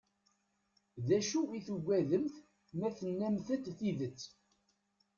D acu i tugademt ma tennamt-d tidet?